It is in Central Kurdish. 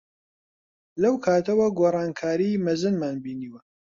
لەو کاتەوە گۆڕانکاریی مەزنمان بینیوە.